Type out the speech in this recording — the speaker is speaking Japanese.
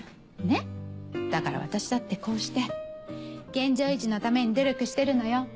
だから私だってこうして現状維持のために努力してるのよ。